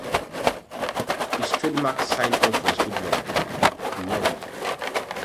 His trademark sign off was Good luck, be well.